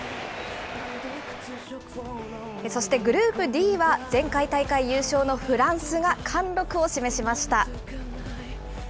そしてグループＤは、前回大会優勝のフランスが貫禄を示しました。